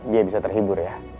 dia bisa terhibur ya